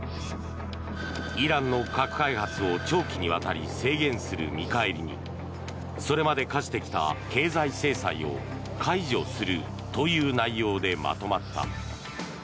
イランの核開発を長期にわたり制限する見返りにそれまで科してきた経済制裁を解除するという内容でまとまった。